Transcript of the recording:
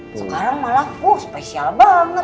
sekarang malah kok spesial banget